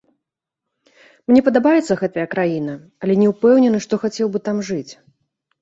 Мне падабаецца гэтая краіна, але не ўпэўнены, што хацеў бы там жыць.